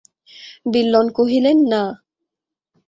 বিল্বন কহিলেন, না।